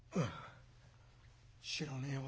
「知らねえ俺。